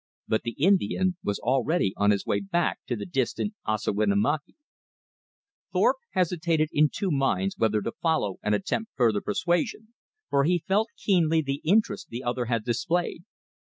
But the Indian was already on his way back to the distant Ossawinamakee. Thorpe hesitated in two minds whether to follow and attempt further persuasion, for he felt keenly the interest the other had displayed.